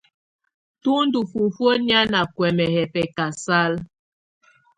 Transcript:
Tù ndù fufuǝ́ nɛ̀á nà kuɛmɛ yɛ̀ bɛkasala.